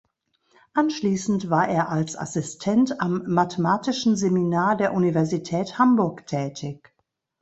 Anschließend war er als Assistent am Mathematischen Seminar der Universität Hamburg tätig.